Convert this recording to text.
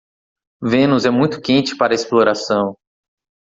Vênus é muito quente para a exploração.